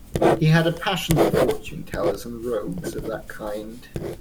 He had a passion for fortune-tellers and rogues of that kind.